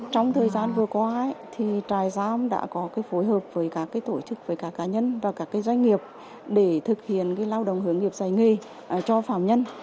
trong thời gian vừa qua trại giam đã có phối hợp với các tổ chức với các cá nhân và các doanh nghiệp để thực hiện lao động hướng nghiệp dạy nghề cho phạm nhân